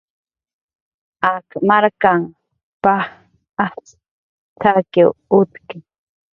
"Ak markan paj ajtz' t""akiw utki"